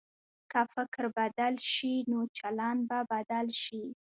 که فکر بدل شي، نو چلند به بدل شي.